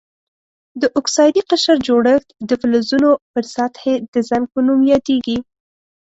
د اکسایدي قشر جوړښت د فلزونو پر سطحې د زنګ په نوم یادیږي.